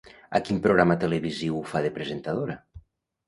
A quin programa televisiu fa de presentadora?